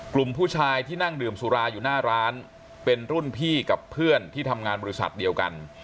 กลุ่มผู้ชายที่นั่งดื่มสุราอยู่หน้าร้านเป็นรุ่นพี่กับเพื่อนที่ทำงานบริษัทเดียวกัน